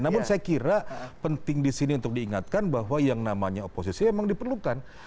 namun saya kira penting di sini untuk diingatkan bahwa yang namanya oposisi memang diperlukan